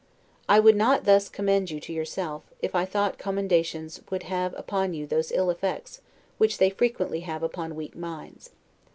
I would not thus commend you to yourself, if I thought commendations would have upon you those ill effects, which they frequently have upon weak minds.